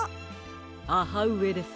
ははうえです。